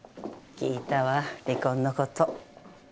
聞いたわ離婚のこと。